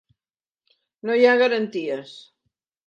No hi ha garanties.